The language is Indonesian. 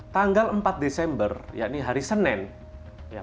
tanggal empat desember ya ini hari senin